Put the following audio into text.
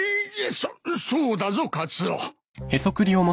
そそうだぞカツオ。